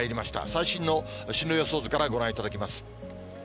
最新の進路予想図からご覧いただきます。